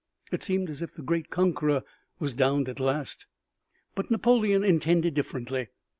It seemed as if the great conqueror were downed at last. But Napoleon intended differently.